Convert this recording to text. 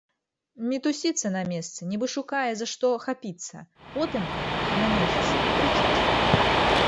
Мітусіцца на месцы, нібы шукае, за што хапіцца, потым, ахамянуўшыся, крычыць.